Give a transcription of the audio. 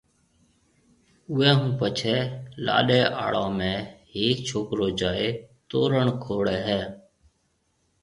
اوئيَ ھون پڇيَ لاڏَي ھاݪون ۾ ھيَََڪ ڇوڪرو جائيَ تورڻ کوڙَي ھيََََ